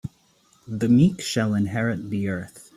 The meek shall inherit the earth.